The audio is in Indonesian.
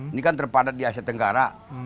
ini kan terpadat di asia tenggara